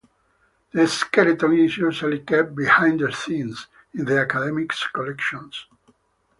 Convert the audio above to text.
The skeleton is usually kept 'behind-the-scenes' in the Academy's collections.